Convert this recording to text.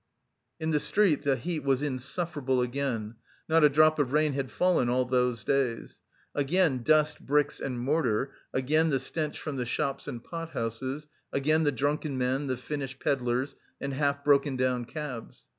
In the street the heat was insufferable again; not a drop of rain had fallen all those days. Again dust, bricks and mortar, again the stench from the shops and pot houses, again the drunken men, the Finnish pedlars and half broken down cabs.